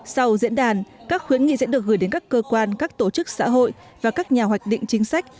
sau diễn đàn các khuyến nghị sẽ được gửi đến các cơ quan các tổ chức xã hội và các nhà hoạch định chính sách